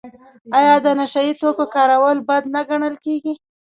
آیا د نشه یي توکو کارول بد نه ګڼل کیږي؟